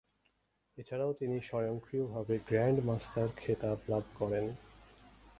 এছাড়াও তিনি স্বয়ংক্রিয়ভাবে গ্র্যান্ড মাস্টার খেতাব লাভ করেন।